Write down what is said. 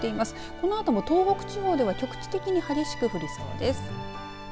このあとも東北地方では局地的に激しく降りそうです。